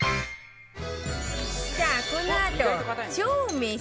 さあこのあと超名作